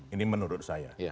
ini menurut saya